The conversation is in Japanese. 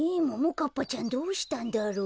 かっぱちゃんどうしたんだろう？